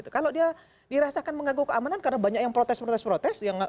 kalau dia dirasakan menggaguh keamanan karena banyak yang protes protes protes